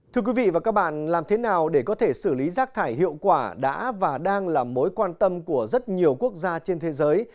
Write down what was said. thưa quý vị và các bạn làm thế nào để có thể xử lý rác thải hiệu quả đã và đang là mối quan tâm của rất nhiều quốc gia trên thế giới